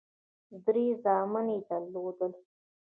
درې زامن یې درلودل.